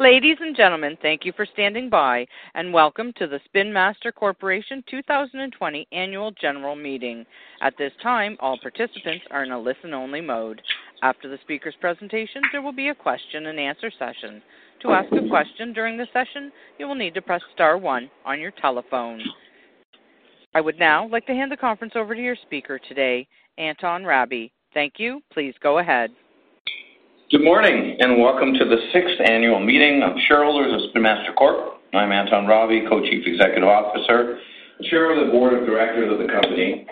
Ladies and gentlemen, thank you for standing by, and welcome to the Spin Master Corporation 2020 Annual General Meeting. At this time, all participants are in a listen-only mode. After the speaker's presentation, there will be a question-and-answer session. To ask a question during the session, you will need to press star one on your telephone. I would now like to hand the conference over to your speaker today, Anton Rabie. Thank you. Please go ahead. Good morning, and welcome to the sixth annual meeting of shareholders of Spin Master Corp. I'm Anton Rabie, Co-Chief Executive Officer, Chair of the Board of Directors of the company.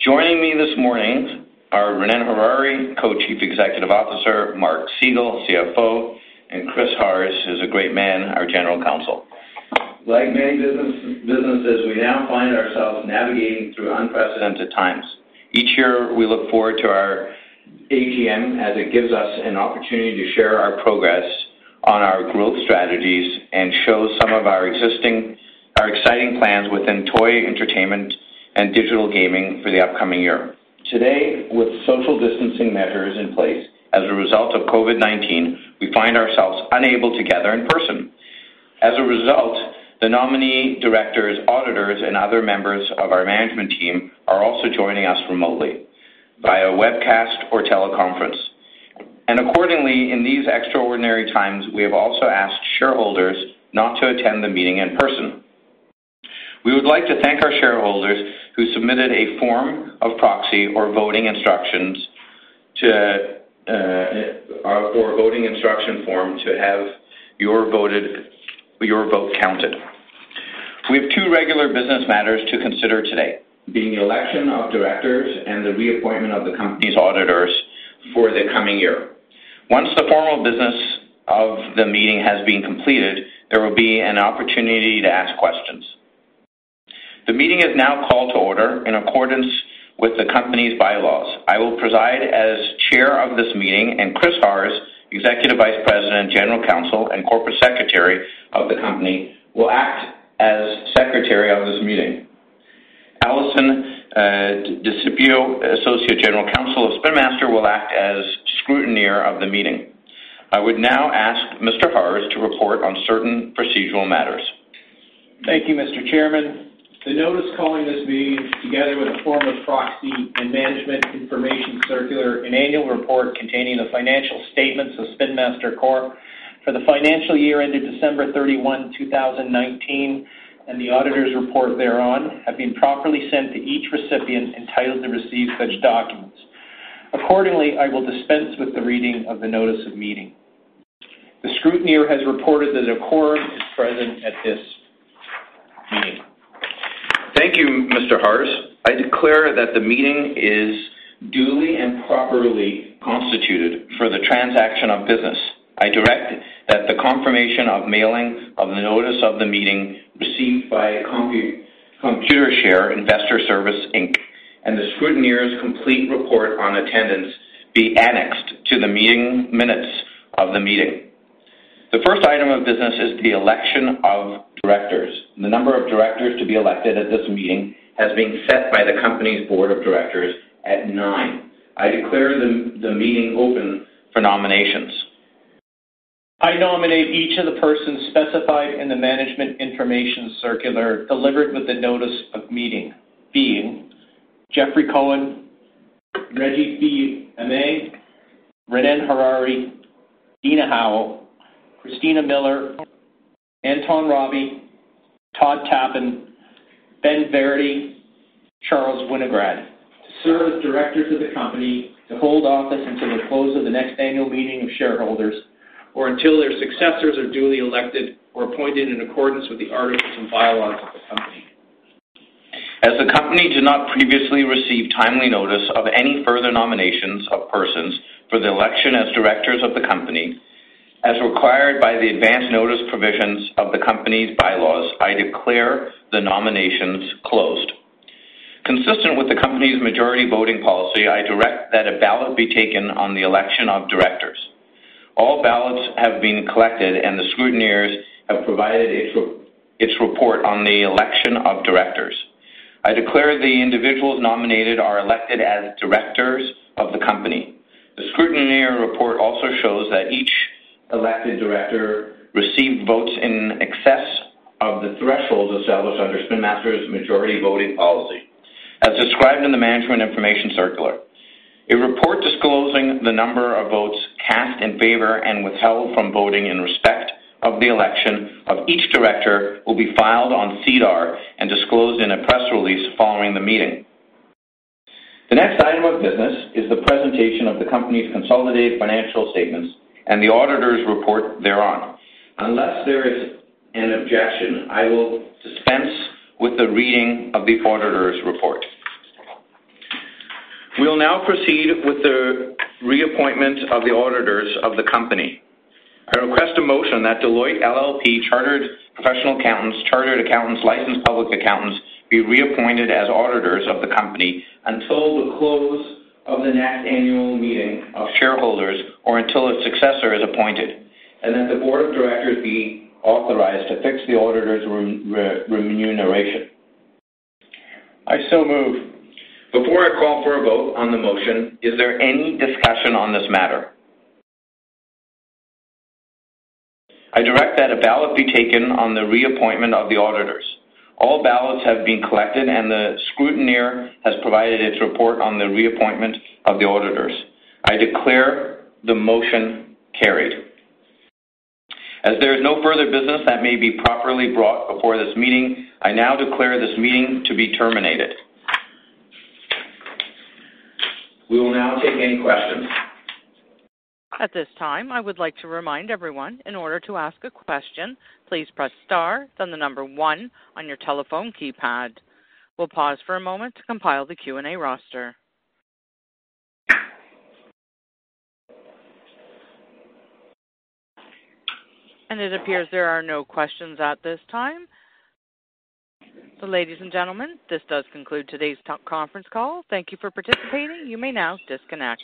Joining me this morning are Ronnen Harary, Co-Chief Executive Officer, Mark Segal, CFO, and Chris Harrs, who's a great man, our General Counsel. Like many businesses, we now find ourselves navigating through unprecedented times. Each year, we look forward to our AGM as it gives us an opportunity to share our progress on our growth strategies and show some of our exciting plans within toy entertainment and digital gaming for the upcoming year. Today, with social distancing measures in place as a result of COVID-19, we find ourselves unable to gather in person. As a result, the nominee directors, auditors, and other members of our management team are also joining us remotely via webcast or teleconference. Accordingly, in these extraordinary times, we have also asked shareholders not to attend the meeting in person. We would like to thank our shareholders who submitted a form of proxy or voting instruction form to have your vote counted. We have two regular business matters to consider today, being the election of directors and the reappointment of the company's auditors for the coming year. Once the formal business of the meeting has been completed, there will be an opportunity to ask questions. The meeting is now called to order in accordance with the company's bylaws. I will preside as chair of this meeting, and Chris Harrs, Executive Vice President, General Counsel, and Corporate Secretary of the company, will act as Secretary of this meeting. Alison Desipio, Associate General Counsel of Spin Master, will act as Scrutineer of the meeting. I would now ask Mr. Harrs to report on certain procedural matters. Thank you, Mr. Chairman. The notice calling this meeting, together with a form of proxy and management information circular, an annual report containing the financial statements of Spin Master Corp. for the financial year ended December 31, 2019, and the auditor's report thereon, have been properly sent to each recipient entitled to receive such documents. Accordingly, I will dispense with the reading of the notice of meeting. The scrutineer has reported that a quorum is present at this meeting. Thank you, Mr. Harrs. I declare that the meeting is duly and properly constituted for the transaction of business. I direct that the confirmation of mailing of the notice of the meeting received by Computershare Investor Services Inc. and the scrutineer's complete report on attendance be annexed to the meeting minutes of the meeting. The first item of business is the election of directors. The number of directors to be elected at this meeting has been set by the company's board of directors at nine. I declare the meeting open for nominations. I nominate each of the persons specified in the management information circular delivered with the notice of meeting, being Jeffrey Cohen, Reggie Fils-Aimé, Ronnen Harary, Dina Howell, Christina Miller, Anton Rabie, Todd Tappin, Ben Varadi, Charles Winograd, to serve as directors of the company, to hold office until the close of the next annual meeting of shareholders, or until their successors are duly elected or appointed in accordance with the articles and bylaws of the company. As the company did not previously receive timely notice of any further nominations of persons for the election as directors of the company, as required by the advance notice provisions of the company's bylaws, I declare the nominations closed. Consistent with the company's majority voting policy, I direct that a ballot be taken on the election of directors. All ballots have been collected, and the scrutineers have provided its report on the election of directors. I declare the individuals nominated are elected as directors of the company. The scrutineer report also shows that each elected director received votes in excess of the thresholds established under Spin Master's majority voting policy, as described in the management information circular. A report disclosing the number of votes cast in favor and withheld from voting in respect of the election of each director will be filed on SEDAR and disclosed in a press release following the meeting. The next item of business is the presentation of the company's consolidated financial statements and the auditor's report thereon. Unless there is an objection, I will dispense with the reading of the auditor's report. We will now proceed with the reappointment of the auditors of the company. I request a motion that Deloitte LLP, Chartered Professional Accountants, Chartered Accountants, Licensed Public Accountants, be reappointed as auditors of the company until the close of the next annual meeting of shareholders or until its successor is appointed, and that the board of directors be authorized to fix the auditor's remuneration. I so move. Before I call for a vote on the motion, is there any discussion on this matter? I direct that a ballot be taken on the reappointment of the auditors. All ballots have been collected, and the scrutineer has provided its report on the reappointment of the auditors. I declare the motion carried. As there is no further business that may be properly brought before this meeting, I now declare this meeting to be terminated. We will now take any questions. At this time, I would like to remind everyone, in order to ask a question, please press star, then the number one on your telephone keypad. We'll pause for a moment to compile the Q&A roster. It appears there are no questions at this time. Ladies and gentlemen, this does conclude today's conference call. Thank you for participating. You may now disconnect.